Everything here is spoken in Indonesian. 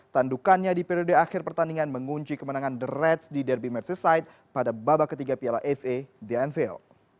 tandukannya di periode akhir pertandingan mengunci kemenangan the reds di derby merside pada babak ketiga piala fa the envil